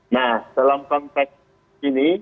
nah dalam konteks ini